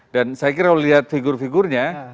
dan saya kira lihat figur figurnya